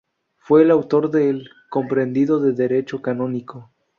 Fue autor del "Compendio de Derecho Canónico".